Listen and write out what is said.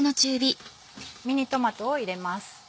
ミニトマトを入れます。